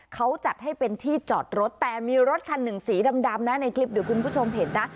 เขาจัดให้เป็นที่จอดรถแต่มีรถคันหนึ่งสีดำนะในคลิปเดี๋ยวคุณผู้ชมเห็นนะ